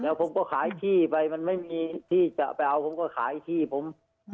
แล้วผมก็ขายขี้ไปมันไม่มีที่จะไปเอาผมก็ขายที่ผม